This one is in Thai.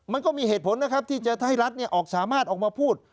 มันก็มีเหตุผลนะครับที่จะให้รัฐสามารถออกมาพูด